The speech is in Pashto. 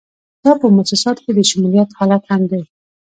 دا په موسساتو کې د شمولیت حالت هم دی.